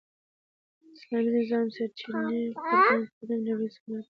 د اسلامي نظام سرچینې قران کریم او نبوي سنت دي.